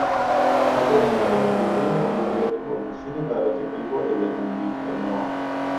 ئەگەر نووسەر ووزەی نەبووبێت بۆ نووسینی بابەتەکەی بۆ دەبێت من بیخوێنمەوە؟